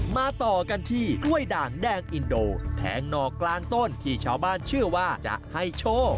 ต่อกันที่กล้วยด่างแดงอินโดแทงหนอกกลางต้นที่ชาวบ้านเชื่อว่าจะให้โชค